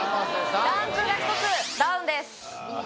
ランクが１つダウンです